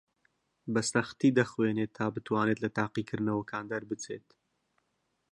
بەسەختی دەخوێنێت تا بتوانێت لە تاقیکردنەوەکان دەربچێت.